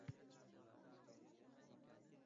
Lekin chuchvarani xom sanagan ekanmiz